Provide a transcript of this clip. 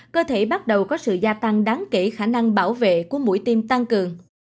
cơ thể bắt đầu có sự gia tăng đáng kể khả năng bảo vệ của mũi tiêm tăng cường